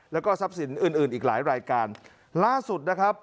แล้วก็ทรัพย์สินอื่นอื่นอีกหลายรายการล่าสุดนะครับ